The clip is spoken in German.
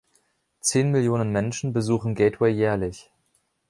Zehn Millionen Menschen besuchen Gateway jährlich.